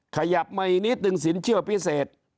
ขยับมาอีกนิดนึงสินเชื่อพิเศษ